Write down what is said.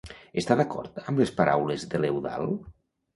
Està d'acord amb les paraules de l'Eudald?